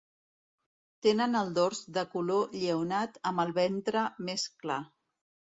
Tenen el dors de color lleonat amb el ventre més clar.